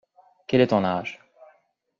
Quel est ton âge?